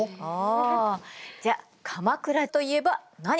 じゃあ鎌倉といえば何？